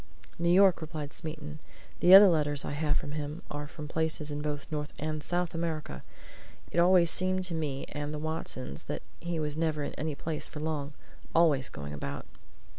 "New York," replied Smeaton. "The other letters I have from him are from places in both North and South America. It always seemed to me and the Watsons that he was never in any place for long always going about."